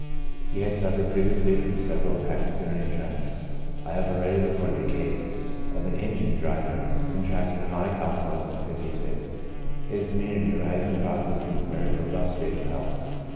He had suffered previously from several attacks of delirium tremens. I have already recorded the case of an engine driver contracting chronic alcoholism at fifty six, his im munity arising probably from a very robust state of health.